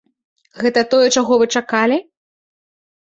Гэта тое, чаго вы чакалі?